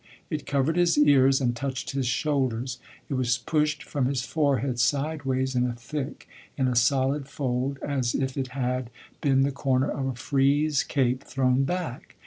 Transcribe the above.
It covered his ears and touched his shoulders. It was pushed from his forehead sideways in a thick, in a solid fold, as if it had been the corner of a frieze cape thrown back.